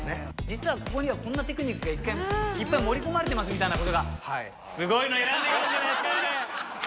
実はここにはこんなテクニックがいっぱい盛り込まれていますみたいなことが。